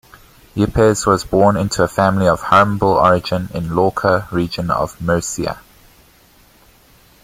Yepes was born into a family of humble origin in Lorca, Region of Murcia.